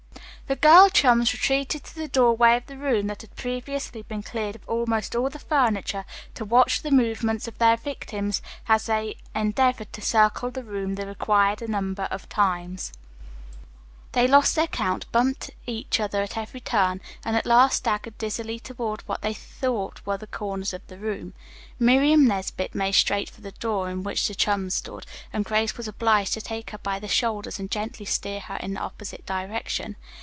The girl chums retreated to the doorway of the room, that had previously been cleared of almost all the furniture, to watch the movements of their victims as they endeavored to circle the room the required number of times. They lost their count, bumped each other at every turn, and at last staggered dizzily toward what they thought were the corners of the room. Miriam Nesbit made straight for the door in which the chums stood, and Grace was obliged to take her by the shoulders and gently steer her in the opposite direction.